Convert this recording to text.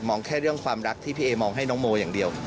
แค่เรื่องความรักที่พี่เอมองให้น้องโมอย่างเดียว